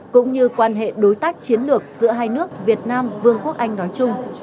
cũng như quan hệ đối tác chiến lược giữa hai nước việt nam vương quốc anh nói chung